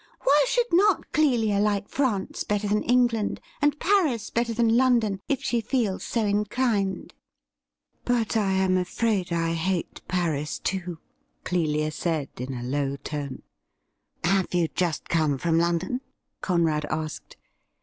Why should not Clelia like France better than England, and Paris better than London, if she feels so inclined i*' " But I am afraid I hate Paris, too,' Clelia said in a low tone. ' Have you just come from London ?' Conrad asked.